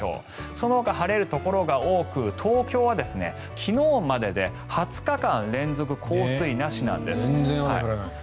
そのほか晴れるところが多く東京は昨日までで２０日間連続降水なしなんです。